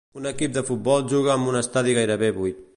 Un equip de futbol juga amb un estadi gairebé buit.